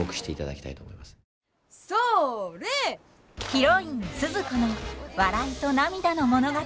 ヒロインスズ子の笑いと涙の物語。